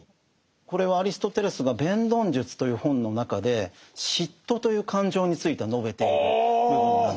これはアリストテレスが「弁論術」という本の中で嫉妬という感情について述べている部分なんです。